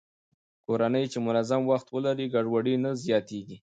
کورنۍ چې منظم وخت ولري، ګډوډي نه زياتېږي.